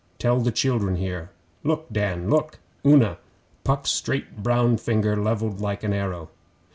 Tell the children here. Look, Dan! Look, Una!' Puck's straight brown finger levelled like an arrow.